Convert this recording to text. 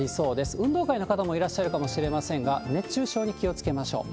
運動会の方もいらっしゃるかもしれませんが、熱中症に気をつけましょう。